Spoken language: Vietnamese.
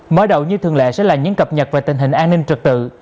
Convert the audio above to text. mới đầu như thường lệ sẽ là những cập nhật về tình hình an ninh trật tự